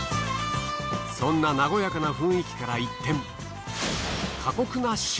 そんな和やかな雰囲気から一転。